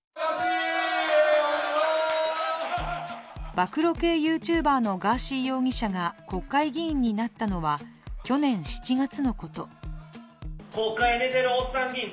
暴露系ＹｏｕＴｕｂｅｒのガーシー容疑者が国会議員になったのは去年７月のこと。